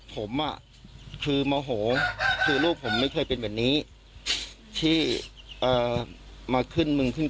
ผมอ่ะคือโมโหคือลูกผมไม่เคยเป็นแบบนี้ที่มาขึ้นมึงขึ้น